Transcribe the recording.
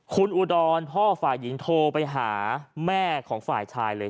คุณอุดรพ่อฝ่ายหญิงโทรไปหาแม่ของฝ่ายชายเลย